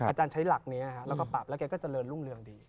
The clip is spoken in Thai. อาจารย์ใช้หลักนี้แล้วก็ปรับแล้วแกก็เจริญรุ่งเรืองดี